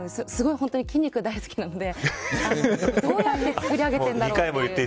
本当に、筋肉大好きなのでどうやってつくり上げてるんだろうって。